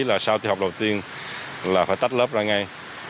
thứ nhất là sau thi học đầu tiên là phải tách lớp ra ngay